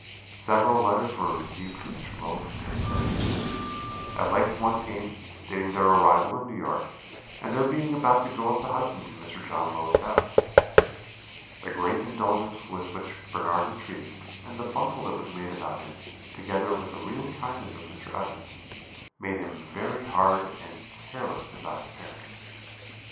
"Several letters were received from Mr. Low from different places; at length one came, stating their arrival in New York, and their being about to go up the Hudson to Mr. John Low's house. "The great indulgence with which Bernard was treated, and the bustle that was made about him, together with the real kindness of Mr. Evans, made him very hard and careless about his parents.